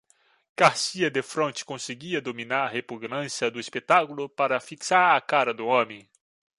Garcia, defronte, conseguia dominar a repugnância do espetáculo para fixar a cara do homem.